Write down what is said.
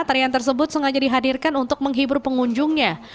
tarian tersebut sengaja dihadirkan untuk menghibur pengunjungnya